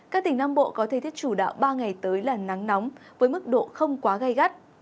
các tỉnh nam bộ có thể thích chủ đạo ba ngày tới là nắng nóng với mức độ không quá gây gắt